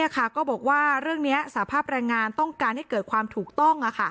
ก็บอกว่าเรื่องนี้สภาพแรงงานต้องการให้เกิดความถูกต้อง